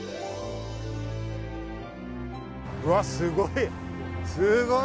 うわ、すごい！